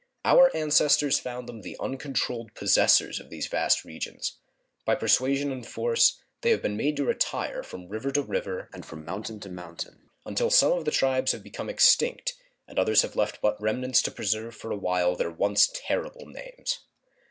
Our ancestors found them the uncontrolled possessors of these vast regions. By persuasion and force they have been made to retire from river to river and from mountain to mountain, until some of the tribes have become extinct and others have left but remnants to preserve for a while their once terrible names.